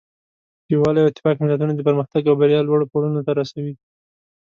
یووالی او اتفاق ملتونه د پرمختګ او بریا لوړو پوړونو ته رسوي.